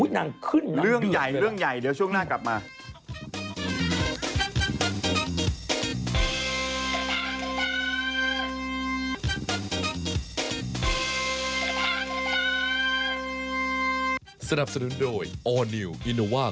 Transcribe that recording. โอ้โฮเรื่องใหญ่เดี๋ยวช่วงหน้ากลับมา